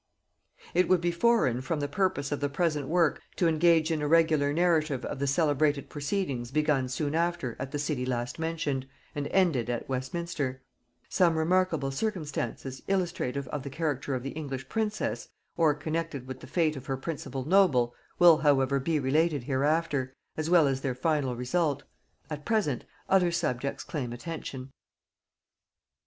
It would be foreign from the purpose of the present work to engage in a regular narrative of the celebrated proceedings begun soon after at the city last mentioned, and ended at Westminster: some remarkable circumstances illustrative of the character of the English princess, or connected with the fate of her principal noble, will however be related hereafter, as well as their final result; at present other subjects claim attention.